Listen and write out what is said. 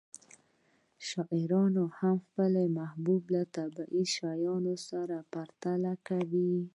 شاعران هم خپله محبوبه له طبیعي شیانو سره پرتله کوي